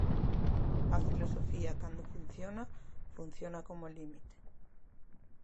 A filosofía, cando funciona, funciona como límite.